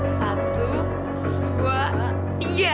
satu dua tiga